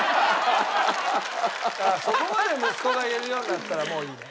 そこまで息子が言えるようになったらもういいね。